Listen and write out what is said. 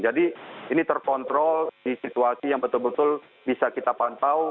jadi ini terkontrol di situasi yang betul betul bisa kita pantau